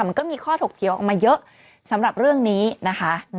มันก็มีข้อถกเถียงออกมาเยอะสำหรับเรื่องนี้นะคะ